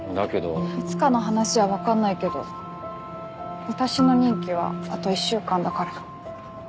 いつかの話はわかんないけど私の任期はあと１週間だから。